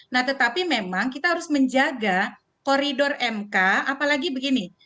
nah tetapi memang kita harus menjaga koridor mk apalagi begini